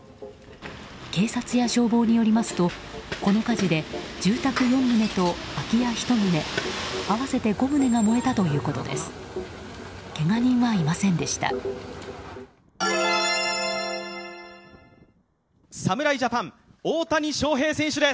警察や消防によりますとこの火事で住宅４棟と空き家１棟、合わせて５棟が燃えたということです。